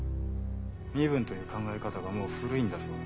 身分という考え方がもう古いんだそうだ。